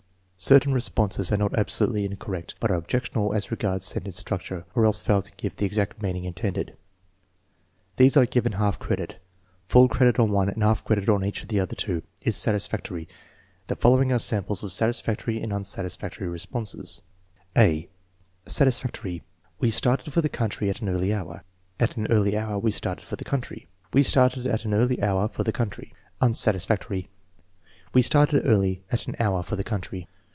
Certain responses are not absolutely incorrect, but are objectionable as regards sentence structure, or else fail to give the exact meaning intended. These are given half 288 THE MEASUEEMENT OF INTELLIGENCE credit. Full credit on one, and half credit on each of the other two, is satisfactory. The following are samples of satisfactory and unsatisfactory responses: (a) Satisfactory. "We started for the country at an early hour." "At an early hour we started for the country." "We started at an early hour for the country. Unsatisfactory. "We started early at an hour for the country."